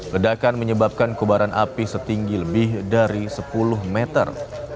ledakan menyebabkan kebaran api setinggi lebih dari sepuluh meter